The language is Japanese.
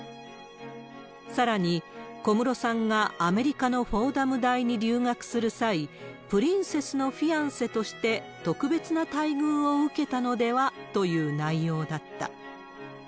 さらに、小室さんがアメリカのフォーダム大に留学する際、プリンセスのフィアンセとして特別な待遇を受けたのではという内容だった。